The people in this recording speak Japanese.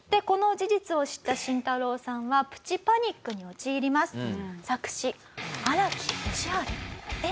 この事実を知ったシンタロウさんはプチパニックに陥ります。